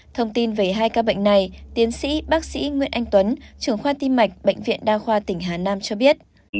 thông tin về hai ca bệnh này tiến sĩ bác sĩ nguyễn anh tuấn trưởng khoa tim mạch bệnh viện đa khoa tỉnh hà nam cho biết